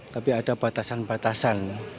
tapi ada batasan batasan